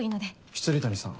未谷さん。